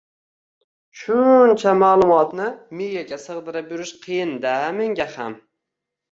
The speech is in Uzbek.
Shu-u-uncha ma`lumotni miyaga sig`dirib yurish qiyin-da, menga ham